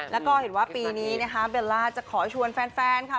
แล้วก็เห็นว่าปีนี้นะคะเบลล่าจะขอชวนแฟนค่ะ